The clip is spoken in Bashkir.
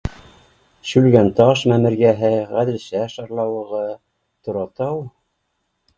Шүлгәнташ мәмерйәһе, Ғәҙелша шарлауығы, Торатау